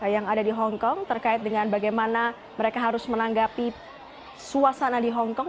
yang ada di hongkong terkait dengan bagaimana mereka harus menanggapi suasana di hongkong